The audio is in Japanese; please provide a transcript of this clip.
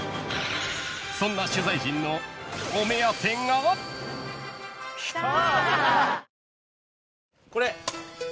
［そんな取材陣のお目当てが］来た。